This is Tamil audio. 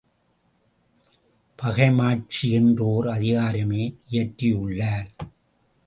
பகைமாட்சி என்று ஒர் அதிகாரமே இயற்றியுள்ளார்.